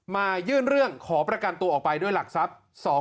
มายื่นเรื่องขอประกันตัวออกไปด้วยหลักทรัพย์